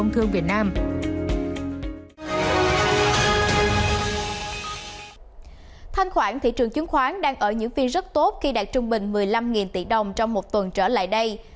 thanh khoản thị trường chứng khoán đang ở những phiên rất tốt khi đạt trung bình một mươi năm tỷ đồng trong một tuần trở lại đây